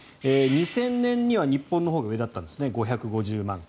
２０００年には日本のほうが上だったんですね。